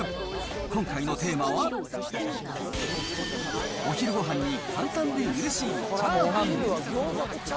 今回のテーマは、お昼ごはんに簡単でうれしいチャーハン。